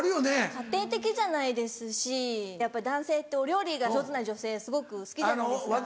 家庭的じゃないですしやっぱり男性ってお料理が上手な女性すごく好きじゃないですか。